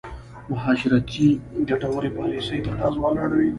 مهاجرتي ګټورې پالېسۍ تقاضا لوړوي.